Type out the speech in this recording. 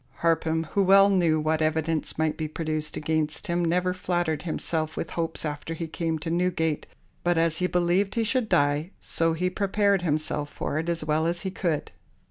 Harpham, who well knew what evidence might be produced against him, never flattered himself with hopes after he came to Newgate, but as he believed he should die, so he prepared himself for it as well as he could.